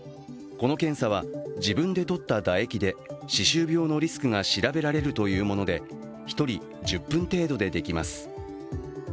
この検査は自分でとった唾液で歯周病のリスクが調べられるというもので１人１０分程度でできます。